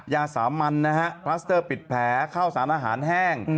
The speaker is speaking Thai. ยาสามัญนะฮะพลัสเตอร์ปิดแผลข้าวสารอาหารแห้ง